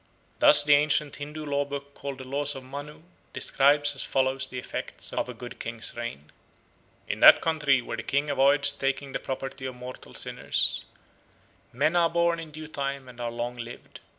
Thus the ancient Hindoo law book called The Laws of Manu describes as follows the effects of a good king's reign: "In that country where the king avoids taking the property of mortal sinners, men are born in due time and are long lived.